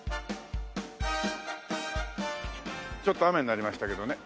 ちょっと雨になりましたけどね。